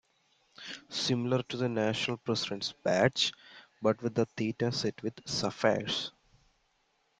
Similar to the National President's Badge, but with the Theta set with sapphires.